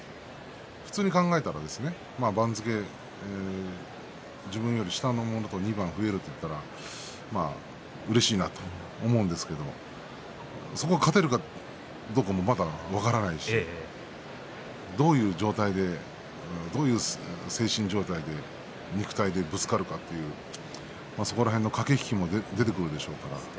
普通に考えたら自分より下の番付と２番増えるというのはうれしいなと思うんですけれどそこが勝てるかどうかまだ分からないですしどういう状態どういう精神状態で肉体でぶつかるかその辺の駆け引きも出てくるでしょうね。